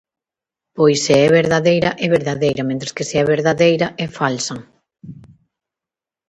Pois se é verdadeira, é verdadeira; mentres que se é verdadeira, é falsa.